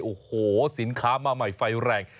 โอ้โหสินค้ามาใหม่ไฟแรง